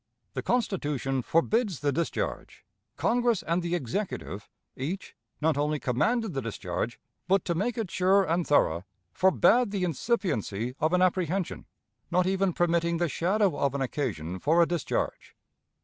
The Constitution forbids the discharge; Congress and the Executive, each, not only commanded the discharge, but, to make it sure and thorough, forbade the incipiency of an apprehension not even permitting the shadow of an occasion for a discharge.